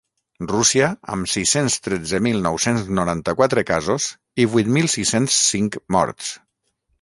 Rússia, amb sis-cents tretze mil nou-cents noranta-quatre casos i vuit mil sis-cents cinc morts.